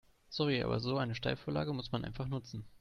Sorry, aber so eine Steilvorlage muss man einfach nutzen.